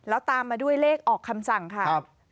แล้วตามมาด้วยเลขออกคำสั่งค่ะ